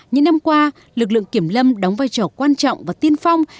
những năm qua lực lượng kiểm lâm đóng vai trò quan trọng và tiên phong